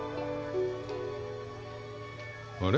あれ？